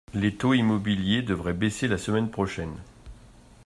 Les taux immobiliers devraient baisser la semaine prochaine.